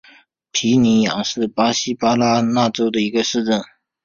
皮尼扬是巴西巴拉那州的一个市镇。